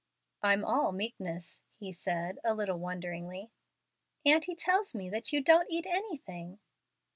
"I'm all meekness," he said, a little wonderingly. "Aunty tells me that you don't eat anything."